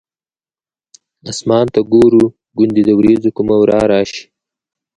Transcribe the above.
اسمان ته ګورو ګوندې د ورېځو کومه ورا راشي.